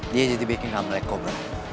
dia jadi bikin khamlek kobra